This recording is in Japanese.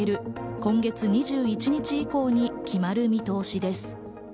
今月２１日以降に決まる見通しです。